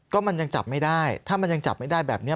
ก็มันยังจับไม่ได้ถ้ามันยังจับไม่ได้แบบนี้